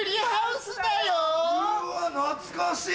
うわ懐かしい！